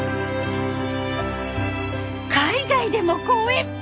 海外でも公演。